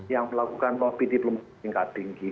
yang melakukan lobi diplomasi tingkat tinggi